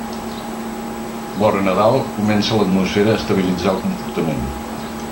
Vora Nadal comença l'atmosfera a estabilitzar el comportament.